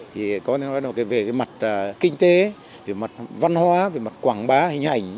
thì có thể nói về mặt kinh tế về mặt văn hóa về mặt quảng bá hình ảnh